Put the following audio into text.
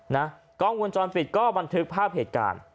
กล้องวงจรปิดก็บันทึกภาพเหตุการณ์